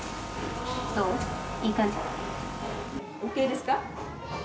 ＯＫですか？